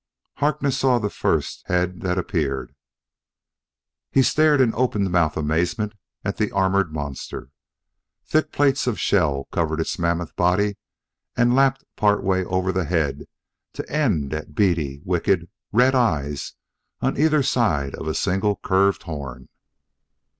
Harkness saw the first head that appeared. He stared in open mouthed amazement at the armored monster. Thick plates of shell covered its mammoth body and lapped part way over the head to end at beady, wicked, red eyes on either side of a single curved horn.